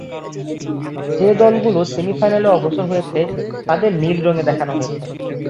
যে দলগুলো সেমি-ফাইনালে অগ্রসর হয়েছে, তাদের নীল রঙে দেখানো হয়েছে।